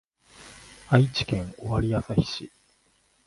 愛知県尾張旭市